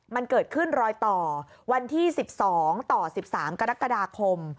มันเกิดขึ้นรอยต่อวันที่๑๒ต่อ๑๓กรกฎาคม